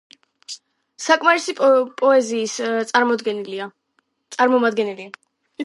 საკარო პოეზიის წარმომადგენელია.